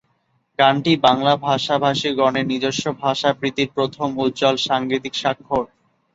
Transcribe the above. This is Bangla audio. গানটি বাংলা ভাষাভাষীগণের নিজস্ব ভাষাপ্রীতির প্রথম উজ্জ্বল সাঙ্গীতিক স্বাক্ষর।